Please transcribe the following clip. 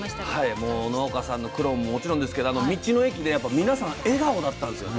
もう農家さんの苦労ももちろんですけどあの道の駅ね皆さん笑顔だったんですよね。